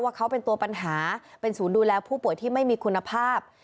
เขาเป็นตัวปัญหาเป็นศูนย์ดูแลผู้ป่วยที่ไม่มีคุณภาพ